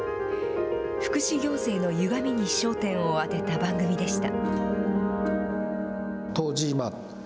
福祉行政のゆがみに焦点を当てた番組でした。